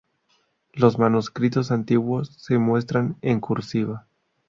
Los miembros antiguos se muestran en cursiva.